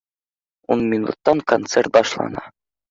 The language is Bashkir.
Ун минуттан концерт башлана